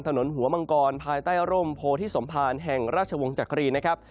ถนนหัวมังกรภายใต้ร่มโพธิสมภารแห่งราชวงศ์จักรีนะครับ